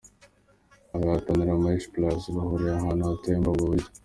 Abahatanira Maisha plus bahurira ahantu hateye muri ubu buryo.